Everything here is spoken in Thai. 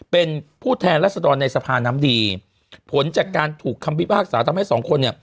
เป็นผู้แทนรัศดรในสภาน้ำดีผลจากการถูกคำพิพากษาทำให้สองคนเนี่ย